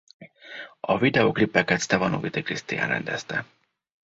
A videóklipeket Sztevanovity Krisztián rendezte.